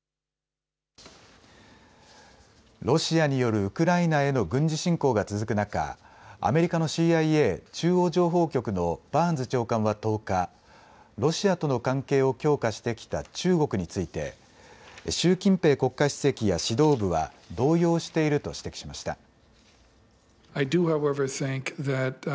ロシアによるウクライナへの軍事侵攻が続く中、アメリカのＣＩＡ・中央情報局のバーンズ長官は１０日、ロシアとの関係を強化してきた中国について習近平国家主席や指導部は動揺していると指摘しました。